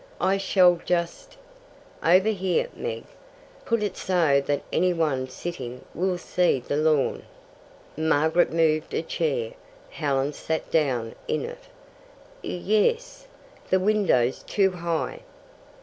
I shall just " "Over here, Meg. Put it so that any one sitting will see the lawn." Margaret moved a chair. Helen sat down in it. "Ye es. The window's too high."